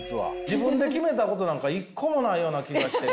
自分で決めたことなんか一個もないような気がして。